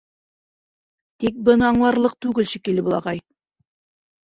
Тик быны аңларлыҡ түгел шикелле был ағай.